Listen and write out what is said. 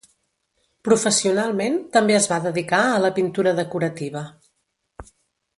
Professionalment, també es va dedicar a la pintura decorativa.